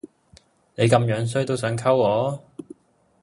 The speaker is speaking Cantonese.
你咁樣衰都想溝我？